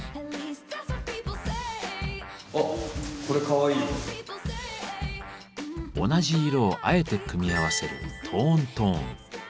あっ同じ色をあえて組み合わせる「トーントーン」。